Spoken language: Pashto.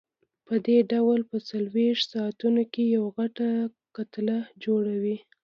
پدې ډول په څلورویشت ساعتونو کې یوه غټه کتله جوړوي.